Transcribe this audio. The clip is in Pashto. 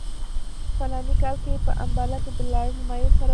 په فلاني کال کې یې په امباله کې له لارډ مایو سره وکتل.